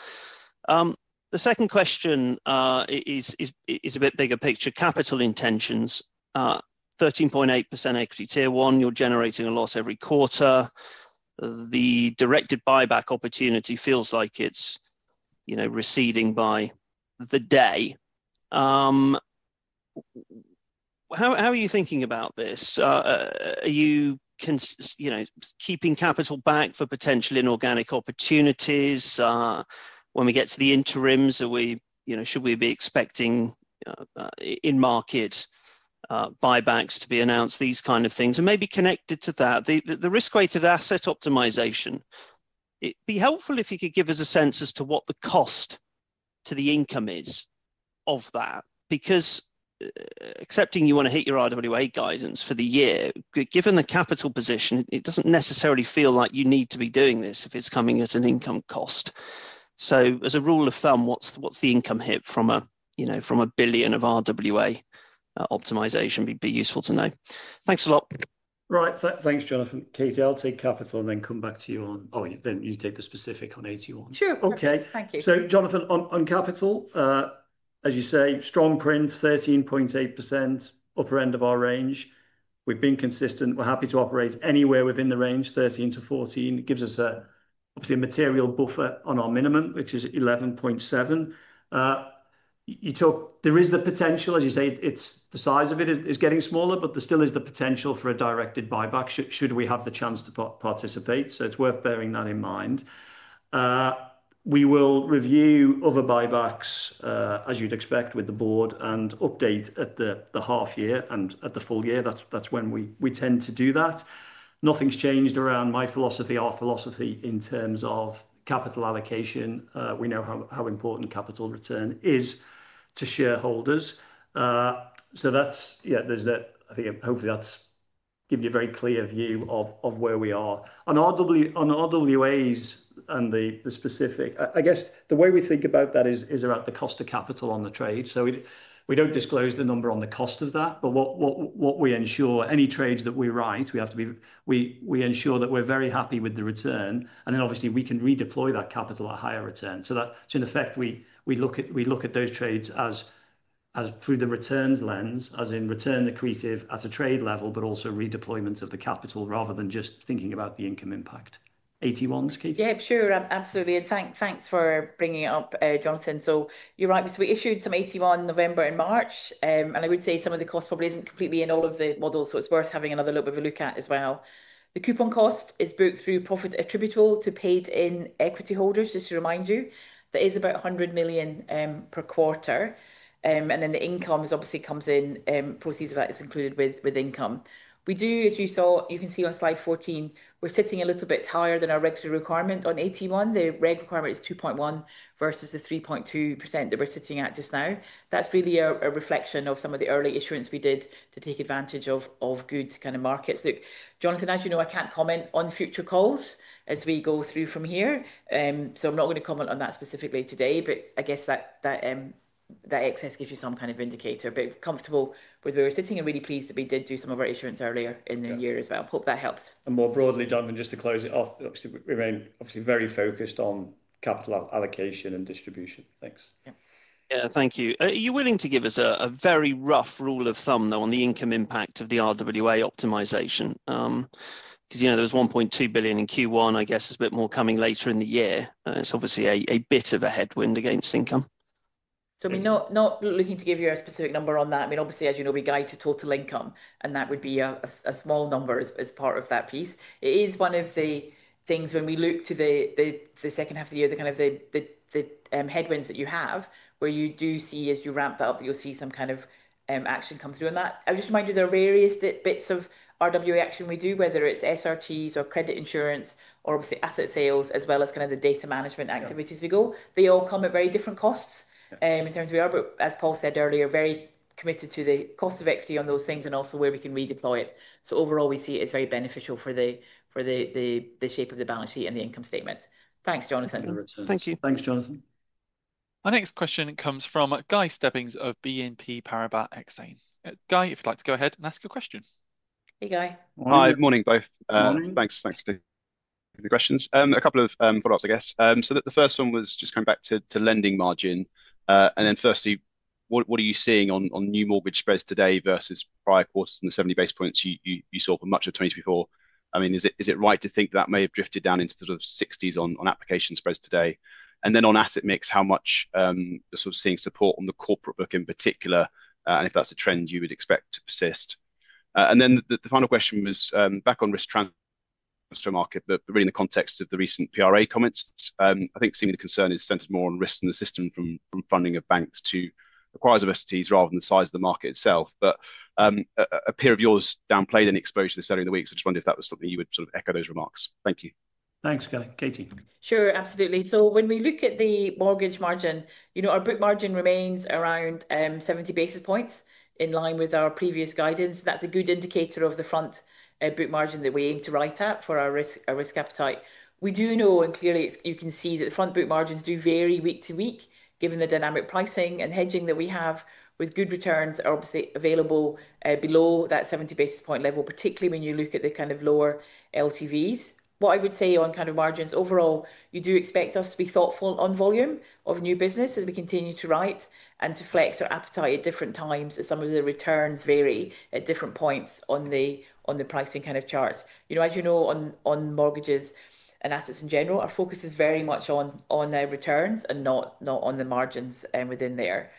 The second question is a bit bigger picture. Capital intentions, 13.8% Equity Tier 1, you're generating a lot every quarter. The directed buyback opportunity feels like it's receding by the day. How are you thinking about this? Are you keeping capital back for potential inorganic opportunities? When we get to the interims, should we be expecting in-market buybacks to be announced, these kind of things? Maybe connected to that, the risk-weighted asset optimisation, it would be helpful if you could give us a sense as to what the cost to the income is of that. Because accepting you want to hit your RWA guidance for the year, given the capital position, it does not necessarily feel like you need to be doing this if it is coming as an income cost. As a rule of thumb, what is the income hit from a billion of RWA optimisation would be useful to know. Thanks a lot. Right. Thanks, Jonathan. Katie, I will take capital and then come back to you on, oh, then you take the specific on AT1. Sure. Okay. Thank you. Jonathan, on capital, as you say, strong print, 13.8%, upper end of our range. We've been consistent. We're happy to operate anywhere within the range, 13%-14%. It gives us, obviously, a material buffer on our minimum, which is 11.7. There is the potential, as you say, the size of it is getting smaller, but there still is the potential for a directed buyback should we have the chance to participate. It's worth bearing that in mind. We will review other buybacks, as you'd expect, with the board and update at the half-year and at the full-year. That's when we tend to do that. Nothing's changed around my philosophy, our philosophy in terms of capital allocation. We know how important capital return is to shareholders. I think hopefully that's giving you a very clear view of where we are. On RWAs and the specific, I guess the way we think about that is around the cost of capital on the trade. We do not disclose the number on the cost of that, but what we ensure, any trades that we write, we ensure that we are very happy with the return. Obviously, we can redeploy that capital at higher return. In effect, we look at those trades through the returns lens, as in return accretive at a trade level, but also redeployment of the capital rather than just thinking about the income impact. AT1s, Katie? Yeah, sure. Absolutely. Thanks for bringing it up, Jonathan. You are right. We issued some AT1 in November and March. I would say some of the cost probably isn't completely in all of the models, so it's worth having another look with a look at as well. The coupon cost is broke through profit attributable to paid-in equity holders, just to remind you. That is about 100 million per quarter. The income obviously comes in, proceeds of that is included with income. As you saw, you can see on slide 14, we're sitting a little bit higher than our regulatory requirement on AT1. The reg requirement is 2.1% versus the 3.2% that we're sitting at just now. That's really a reflection of some of the early issuance we did to take advantage of good kind of markets. Look, Jonathan, as you know, I can't comment on future calls as we go through from here. I'm not going to comment on that specifically today, but I guess that excess gives you some kind of indicator. Comfortable with where we're sitting and really pleased that we did do some of our issuance earlier in the year as well. Hope that helps. More broadly, Jonathan, just to close it off, obviously, we're obviously very focused on capital allocation and distribution. Thanks. Yeah, thank you. Are you willing to give us a very rough rule of thumb, though, on the income impact of the RWA optimisation? Because there was 1.2 billion in Q1, I guess, is a bit more coming later in the year. It's obviously a bit of a headwind against income. I mean, not looking to give you a specific number on that. I mean, obviously, as you know, we guide to total income, and that would be a small number as part of that piece. It is one of the things when we look to the second half of the year, the kind of the headwinds that you have, where you do see as you ramp that up, you'll see some kind of action come through. I would just remind you there are various bits of RWA action we do, whether it's SRTs or credit insurance or obviously asset sales, as well as kind of the data management activities we go. They all come at very different costs in terms of, as Paul said earlier, very committed to the cost of equity on those things and also where we can redeploy it. Overall, we see it as very beneficial for the shape of the balance sheet and the income statement. Thanks, Jonathan. Thank you. Thanks, Jonathan. Our next question comes from Guy Stebbings of BNP Paribas Exane. Guy, if you'd like to go ahead and ask your question. Hey, Guy. Hi, good morning, both. Good morning. Thanks for the questions. A couple of follow-ups, I guess. The first one was just coming back to lending margin. Firstly, what are you seeing on new mortgage spreads today versus prior quarters in the 70 basis points you saw for much of 2024? I mean, is it right to think that that may have drifted down into the sort of 60s on application spreads today? On asset mix, how much you're sort of seeing support on the corporate book in particular, and if that's a trend you would expect to persist? The final question was back on risk transfer market, but really in the context of the recent PRA comments. I think seemingly the concern is centered more on risks in the system from funding of banks to acquirers of STs rather than the size of the market itself. A peer of yours downplayed any exposure to selling in the weeks, so I just wondered if that was something you would sort of echo those remarks. Thank you. Thanks, Guy. Katie? Sure, absolutely. When we look at the mortgage margin, our book margin remains around 70 basis points in line with our previous guidance. That is a good indicator of the front book margin that we aim to write up for our risk appetite. We do know, and clearly you can see that the front book margins do vary week to week, given the dynamic pricing and hedging that we have, with good returns obviously available below that 70 basis point level, particularly when you look at the kind of lower LTVs. What I would say on kind of margins overall, you do expect us to be thoughtful on volume of new business as we continue to write and to flex our appetite at different times as some of the returns vary at different points on the pricing kind of charts. As you know, on mortgages and assets in general, our focus is very much on returns and not on the margins within there.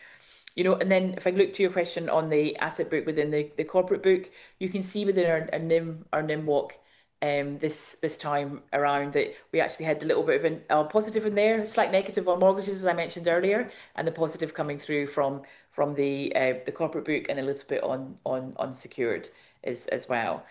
If I look to your question on the asset book within the corporate book, you can see within our NIM walk this time around that we actually had a little bit of a positive in there, a slight negative on mortgages, as I mentioned earlier, and the positive coming through from the corporate book and a little bit on secured as well.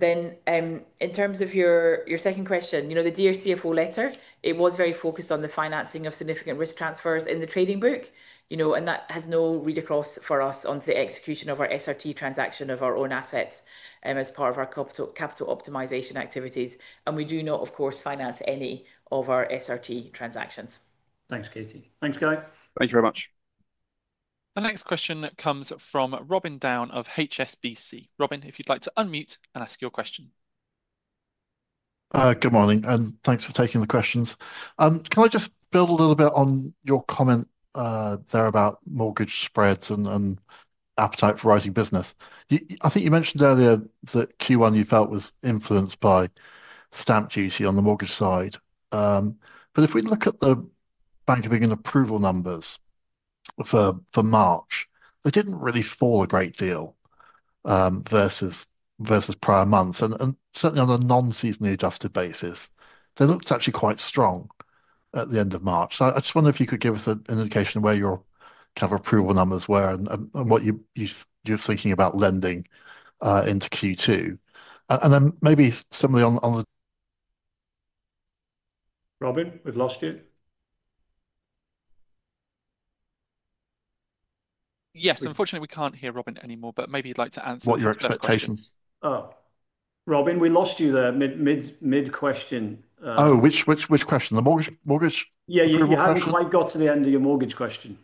In terms of your second question, the Dear CFO letter, it was very focused on the financing of significant risk transfers in the trading book, and that has no read across for us on the execution of our SRT transaction of our own assets as part of our capital optimisation activities. We do not, of course, finance any of our SRT transactions. Thanks, Katie. Thanks, Guy. Thank you very much. The next question comes from Robin Down of HSBC. Robin, if you'd like to unmute and ask your question. Good morning, and thanks for taking the questions. Can I just build a little bit on your comment there about mortgage spreads and appetite for writing business? I think you mentioned earlier that Q1 you felt was influenced by stamp duty on the mortgage side. If we look at the Bank of England approval numbers for March, they did not really fall a great deal versus prior months, and certainly on a non-seasonally adjusted basis. They looked actually quite strong at the end of March. I just wonder if you could give us an indication of where your kind of approval numbers were and what you're thinking about lending into Q2. Then maybe similarly on the— Robin, we've lost you. Yes, unfortunately, we can't hear Robin anymore, but maybe you'd like to answer the first question. What's your expectations? Robin, we lost you there. Mid-question. Oh, which question? The mortgage? Yeah, you haven't quite got to the end of your mortgage question.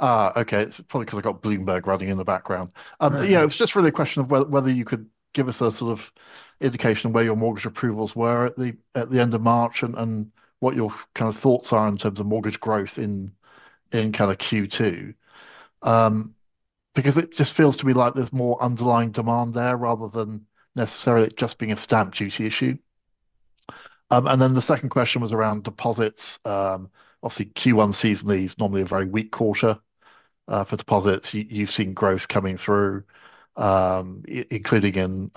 Okay. It's probably because I've got Bloomberg running in the background. Yeah, it was just really a question of whether you could give us a sort of indication of where your mortgage approvals were at the end of March and what your kind of thoughts are in terms of mortgage growth in kind of Q2. Because it just feels to me like there's more underlying demand there rather than necessarily it just being a stamp duty issue. The second question was around deposits. Obviously, Q1 seasonally is normally a very weak quarter for deposits. You've seen growth coming through, including in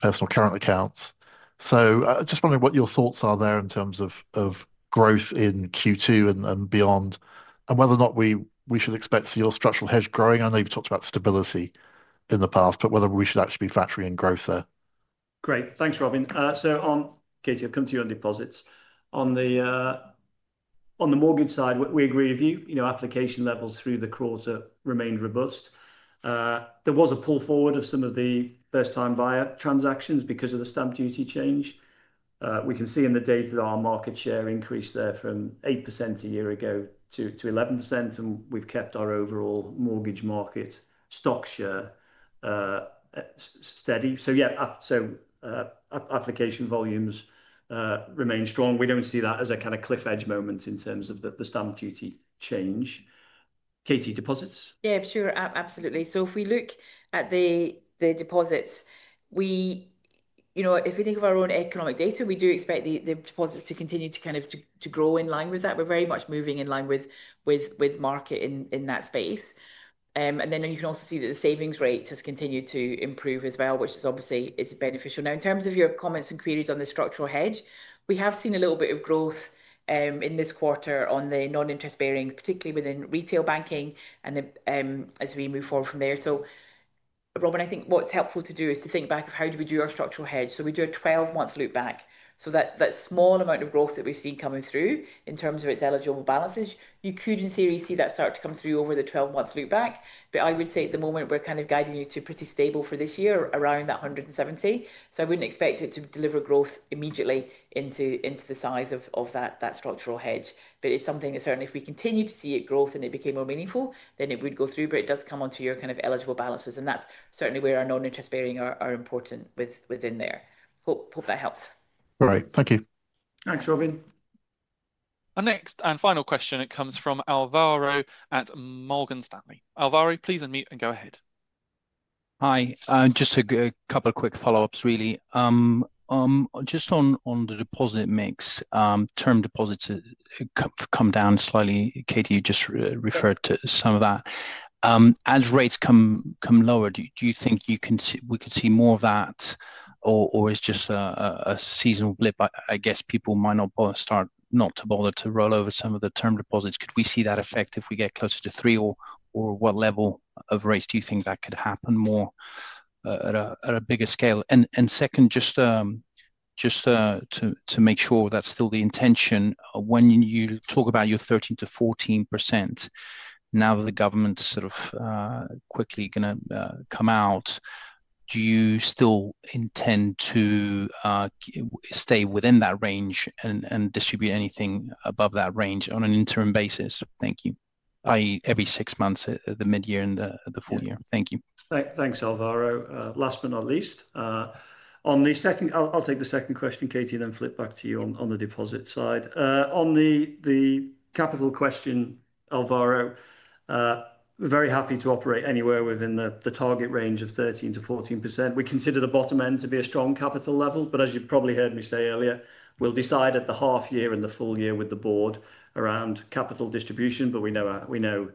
personal current accounts. I'm just wondering what your thoughts are there in terms of growth in Q2 and beyond, and whether or not we should expect your structural hedge growing. I know you've talked about stability in the past, but whether we should actually be factoring in growth there. Great. Thanks, Robin. On, Katie, I've come to you on deposits. On the mortgage side, we agree with you. Application levels through the quarter remained robust. There was a pull forward of some of the first-time buyer transactions because of the stamp duty change. We can see in the data that our market share increased there from 8% a year ago to 11%, and we've kept our overall mortgage market stock share steady. Yeah, application volumes remain strong. We do not see that as a kind of cliff edge moment in terms of the stamp duty change. Katie, deposits? Yeah, sure. Absolutely. If we look at the deposits, if we think of our own economic data, we do expect the deposits to continue to kind of grow in line with that. We are very much moving in line with market in that space. You can also see that the savings rate has continued to improve as well, which is obviously beneficial. Now, in terms of your comments and queries on the structural hedge, we have seen a little bit of growth in this quarter on the non-interest bearings, particularly within retail banking and as we move forward from there. Robin, I think what is helpful to do is to think back of how we do our structural hedge. We do a 12-month loopback. That small amount of growth that we've seen coming through in terms of its eligible balances, you could, in theory, see that start to come through over the 12-month loopback. I would say at the moment, we're kind of guiding you to pretty stable for this year around that 170. I wouldn't expect it to deliver growth immediately into the size of that structural hedge. It is something that certainly, if we continue to see it growth and it became more meaningful, then it would go through. It does come onto your kind of eligible balances. That is certainly where our non-interest bearings are important within there. Hope that helps. All right. Thank you. Thanks, Robin. Our next and final question, it comes from Alvaro at Morgan Stanley. Alvaro, please unmute and go ahead. Hi. Just a couple of quick follow-ups, really. Just on the deposit mix, term deposits come down slightly. Katie, you just referred to some of that. As rates come lower, do you think we could see more of that, or is it just a seasonal blip? I guess people might not start not to bother to roll over some of the term deposits. Could we see that effect if we get closer to three, or what level of rates do you think that could happen more at a bigger scale? Second, just to make sure that's still the intention, when you talk about your 13%-14%, now that the government's sort of quickly going to come out, do you still intend to stay within that range and distribute anything above that range on an interim basis? Thank you. Every six months, the mid-year and the full year. Thank you. Thanks, Alvaro. Last but not least, on the second, I'll take the second question, Katie, and then flip back to you on the deposit side. On the capital question, Alvaro, very happy to operate anywhere within the target range of 13%-14%. We consider the bottom end to be a strong capital level, but as you probably heard me say earlier, we'll decide at the half year and the full year with the board around capital distribution, but we know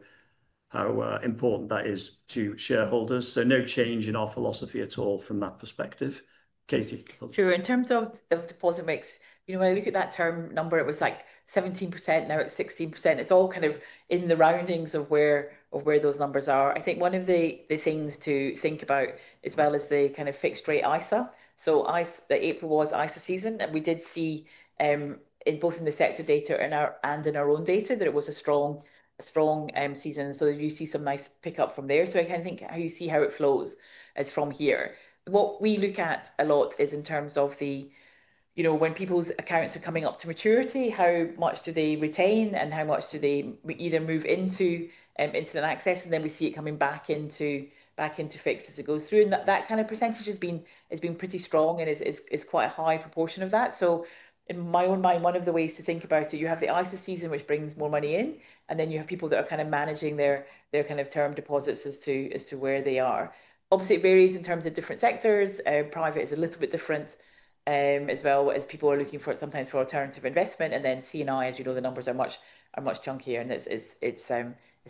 how important that is to shareholders. No change in our philosophy at all from that perspective. Katie. Sure. In terms of deposit mix, when I look at that term number, it was like 17%, now it's 16%. It's all kind of in the roundings of where those numbers are. I think one of the things to think about as well is the kind of fixed rate ISA. April was ISA season, and we did see both in the sector data and in our own data that it was a strong season. You see some nice pickup from there. I kind of think how you see how it flows is from here. What we look at a lot is in terms of when people's accounts are coming up to maturity, how much do they retain and how much do they either move into instant access, and then we see it coming back into fixed as it goes through. That kind of percentage has been pretty strong and is quite a high proportion of that. In my own mind, one of the ways to think about it, you have the ISA season, which brings more money in, and then you have people that are kind of managing their kind of term deposits as to where they are. Obviously, it varies in terms of different sectors. Private is a little bit different as well as people are looking for sometimes for alternative investment. C&I, as you know, the numbers are much chunkier, and it is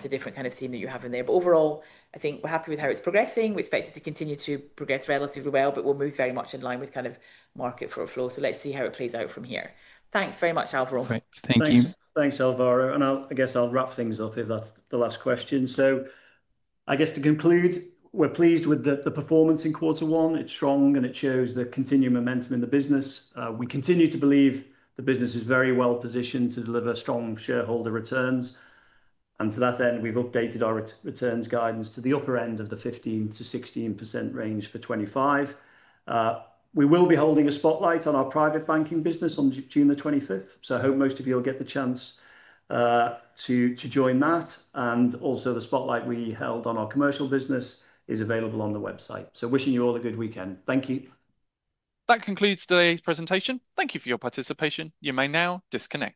a different kind of theme that you have in there. Overall, I think we are happy with how it is progressing. We expect it to continue to progress relatively well, but we will move very much in line with kind of market forward flow. Let us see how it plays out from here. Thanks very much, Alvaro. Thank you. Thanks, Alvaro. I guess I'll wrap things up if that's the last question. To conclude, we're pleased with the performance in quarter one. It's strong, and it shows the continued momentum in the business. We continue to believe the business is very well positioned to deliver strong shareholder returns. To that end, we've updated our returns guidance to the upper end of the 15%-16% range for 2025. We will be holding a spotlight on our private banking business on June the 25th. I hope most of you will get the chance to join that. The spotlight we held on our commercial business is available on the website. Wishing you all a good weekend. Thank you. That concludes today's presentation. Thank you for your participation. You may now disconnect.